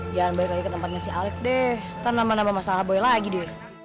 jangan balik lagi ke tempatnya si alec deh kan nama nama masalah boy lagi deh